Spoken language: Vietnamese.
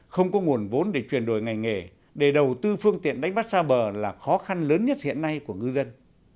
không có nguồn vốn để chuyển đổi ngành nghề để đầu tư phương tiện đánh bắt xa bờ là khó khăn lớn nhất hiện nay của ngư dân